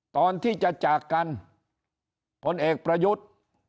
ตอนที่จะจากกันผลเอกประยุทธ์